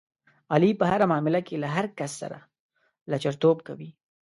علي په هره معامله کې له هر کس سره لچرتوب کوي.